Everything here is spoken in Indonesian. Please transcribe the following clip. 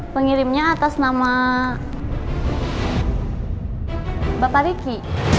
pengirimnya atas nama bapak riki